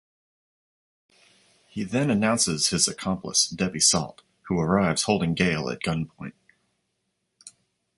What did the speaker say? He then announces his accomplice, Debbie Salt, who arrives holding Gale at gunpoint.